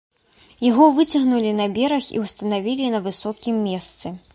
Яго выцягнулі на бераг і ўстанавілі на высокім месцы.